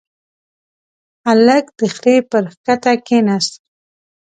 هلک د خرې پر کته کېناست.